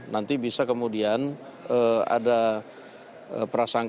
nanti bisa kemudian ada prasangka